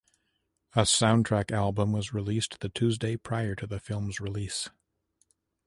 A soundtrack album was released the Tuesday prior to the film's release.